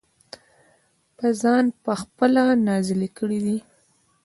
پۀ ځان پۀ خپله نازلې کړي دي -